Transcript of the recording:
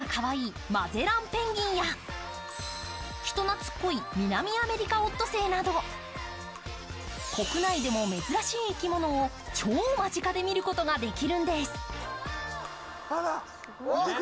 お散歩姿がかわいいマゼランペンギンや、人なつっこいミナミアメリカオットセイなど国内でも珍しい生き物を超間近で見ることができるんです。